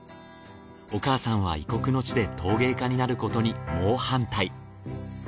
お母さんは異国の地で陶芸家になることに猛反対。